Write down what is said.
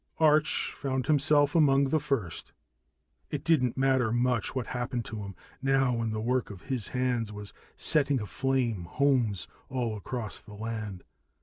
Arch found himself among the first. It didn't matter much what happened to him, now when the work of his hands was setting aflame homes all across the land.